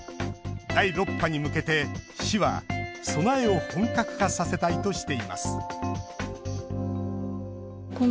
第６波に向けて市は備えを本格化させたいとしています